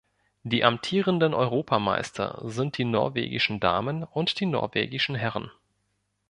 Die amtierenden Europameister sind die norwegischen Damen und die norwegischen Herren.